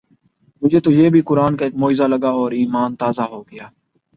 مجھے تو یہ بھی قرآن کا ایک معجزہ لگا اور ایمان تازہ ہوگیا